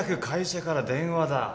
会社から電話だ